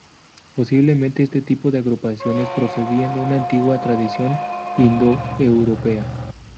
Posiblemente, este tipo de agrupaciones procedían de una antigua tradición indoeuropea.